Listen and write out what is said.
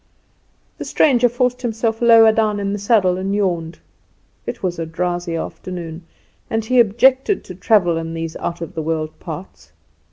The stranger forced himself lower down in the saddle and yawned. It was a drowsy afternoon, and he objected to travel in these out of the world parts.